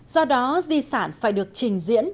do đó di sản phải được trình diễn